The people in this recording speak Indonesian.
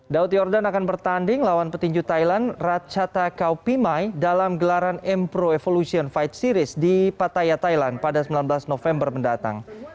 dauti ordan akan bertanding lawan petinju thailand ratchathakaupimai dalam gelaran m pro evolution fight series di pattaya thailand pada sembilan belas november mendatang